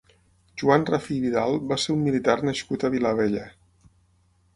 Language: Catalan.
Joan Rafí Vidal va ser un militar nascut a Vilabella.